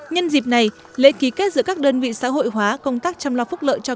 nhân dịp này lễ ký kết giữa các đơn vị xã hội hóa công tác chăm lo phúc lợi cho